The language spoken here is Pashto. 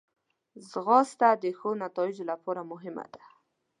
ځغاسته د ښو نتایجو لپاره مهمه ده